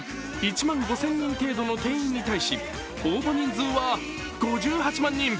１万５０００人程度の定員に対し、応募人数は５８万人。